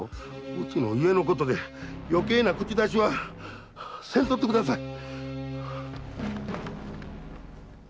うちの家のことでよけいな口出しはせんといてください！